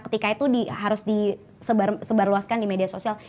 ketika itu harus disebarluaskan di media sosial